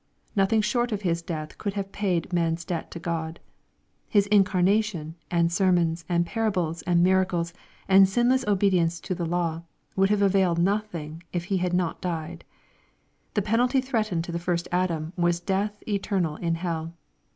Nothing short of His death could have paid man's debt to God. His incarnation, and sermons, and parables, and miracles, and sinless obedience to the law, would have availed nothing, if He had not died. The penalty threatened to the first Adam was death eterna in hell.